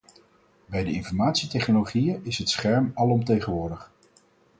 Bij de informatietechnologieën is het scherm alomtegenwoordig.